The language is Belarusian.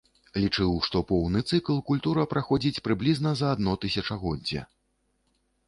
Лічыў, што поўны цыкл культура праходзіць прыблізна за адно тысячагоддзе.